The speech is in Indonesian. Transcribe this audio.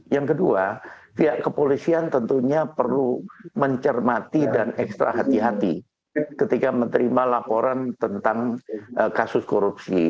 yang kedua pihak kepolisian tentunya perlu mencermati dan ekstra hati hati ketika menerima laporan tentang kasus korupsi